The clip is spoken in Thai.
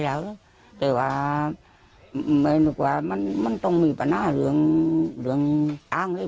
อย่างไงด้วยมั๊ยหมายถึงว่ามันต้องมีปัญหาเรื่องอ้างเท่าไหร่